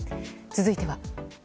続いては。